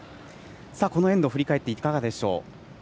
このエンドを振り返っていかがでしょう？